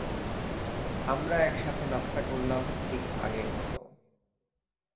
আমরা একসাথে নাস্তা করলাম, ঠিক আগের মতো।